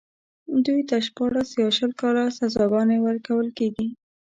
دوی ته شپاړس يا شل کاله سزاګانې ورکول کېږي.